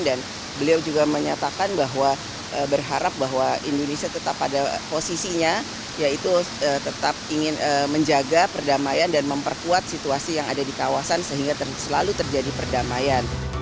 dan beliau juga menyatakan bahwa berharap bahwa indonesia tetap pada posisinya yaitu tetap ingin menjaga perdamaian dan memperkuat situasi yang ada di kawasan sehingga selalu terjadi perdamaian